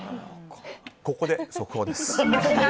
ここで速報です。